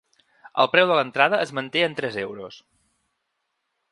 El preu de l’entrada es manté en tres euros.